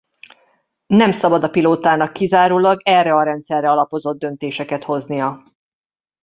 Nem szabad a pilótának kizárólag erre a rendszerre alapozott döntéseket hoznia.